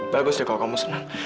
bagus sih kalau kamu senang